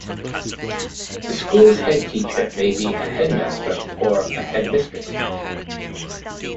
The school's headteacher may be a headmaster or a headmistress